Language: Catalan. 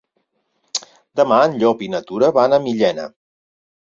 Demà en Llop i na Tura van a Millena.